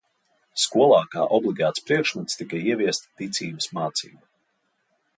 Skolā kā obligāts priekšmets tika ievesta ticības mācība.